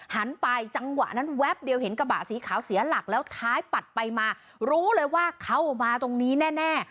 หันไปจังหวะนั้นแวบเดียวเห็นกระบะสีขาวเสียหลักแล้วท้ายปัดไปมารู้เลยว่าเข้ามาตรงนี้แน่